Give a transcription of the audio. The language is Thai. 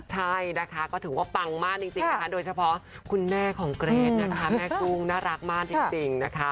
ใช่นะคะก็ถือว่าปังมากจริงนะคะโดยเฉพาะคุณแม่ของเกรทนะคะแม่กุ้งน่ารักมากจริงนะคะ